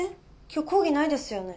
今日講義ないですよね？